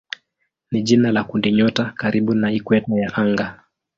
ni jina la kundinyota karibu na ikweta ya anga.